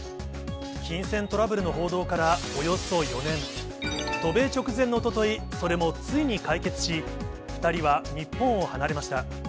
金銭トラブルの報道から、およそ４年、渡米直前のおととい、それもついに解決し、２人は日本を離れました。